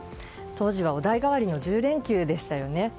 当時はお代替わりの１０連休でしたよね。